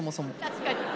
確かに。